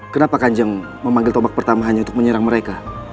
kenapa kanjeng memanggil tobak pertama hanya untuk menyerang mereka